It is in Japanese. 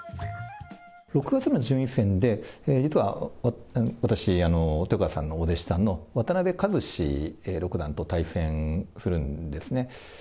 ６月の順位戦で、実は私、豊川さんのお弟子さんの渡辺和史六段と対戦するんですね。